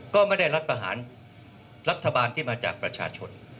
ก็ไม่ได้รัฐประหารรัฐบาลที่มาจากประชาชน